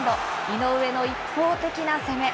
井上の一方的な攻め。